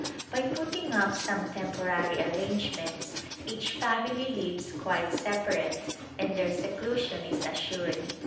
By putting up some tempo rary arrangements each family lives quite separate and their seclusion is assured.